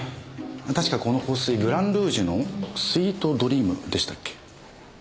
確かこの香水グランルージュのスイートドリームでしたっけ？